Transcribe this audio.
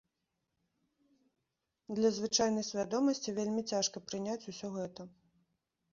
Для звычайнай свядомасці вельмі цяжка прыняць усё гэта.